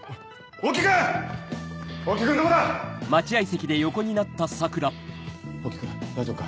大木君大丈夫か？